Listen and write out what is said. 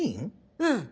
うん。